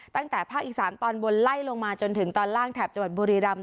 ตั้งแต่ภาคอีสานตอนบนไล่ลงมาจนถึงตอนล่างแถบจังหวัดบุรีรำ